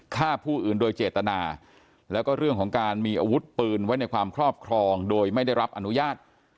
ฆ่าผู้อื่นโดยเจตนาแล้วก็เรื่องของการมีอาวุธปืนไว้ในความครอบครองโดยไม่ได้รับอนุญาต